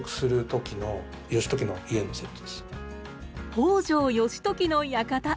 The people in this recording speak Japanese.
北条義時の館！